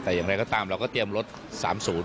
แต่อย่างไรก็ตามเราก็เตรียมรถ๓๐